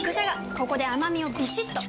ここで甘みをビシッと！